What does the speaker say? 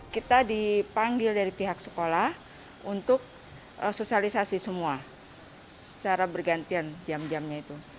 kita dipanggil dari pihak sekolah untuk sosialisasi semua secara bergantian jam jamnya itu